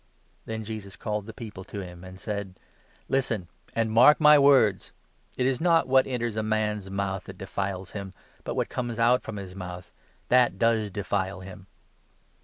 '" Then Jesus called the people to him, and said : "Listen, and mark my words. It is not what enters a man's mouth that ' defiles ' him, but what comes out from his mouth — that does defile him